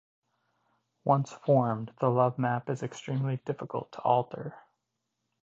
Once formed, the lovemap is extremely difficult to alter.